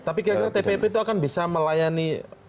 tapi kira kira tpp itu akan bisa melayani